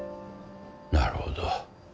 なるほど。